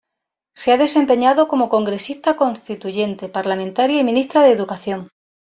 Se ha desempeñado como congresista constituyente, parlamentaria y ministra de educación.